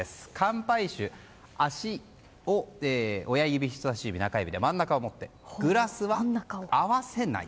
酒足を親指、人さし指、中指で真ん中を持ってグラスは合わせない。